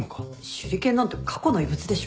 手裏剣なんて過去の遺物でしょ。